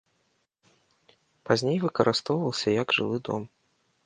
Пазней выкарыстоўвалася як жылы дом.